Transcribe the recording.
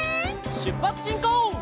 しゅっぱつしんこう！